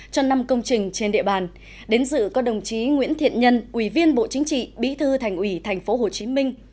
cho năm công trình trên địa bàn đến dự có đồng chí nguyễn thiện nhân ủy viên bộ chính trị bí thư thành ủy tp hcm